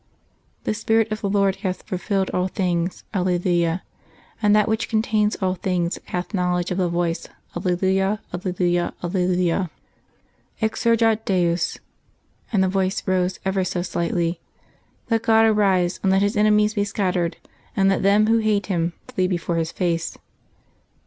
The Spirit of the Lord hath fulfilled all things, alleluia: and that which contains all things hath knowledge of the voice, alleluia, alleluia, alleluia._ Exsurgat Deus (and the voice rose ever so slightly). "_Let God arise and let His enemies be scattered; and let them who hate Him flee before His face.